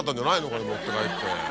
これ持って帰って。